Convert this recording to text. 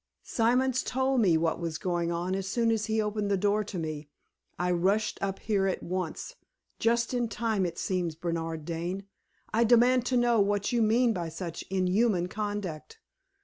Simons told me what was going on as soon as he opened the door to me. I rushed up here at once just in time, it seems. Bernard Dane, I demand to know what you mean by such inhuman conduct?